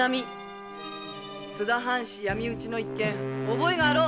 津田藩士闇討ちの一件覚えがあろう！